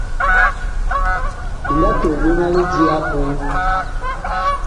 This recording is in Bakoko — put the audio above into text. Mi nga tol ɓe ma lidi apuu.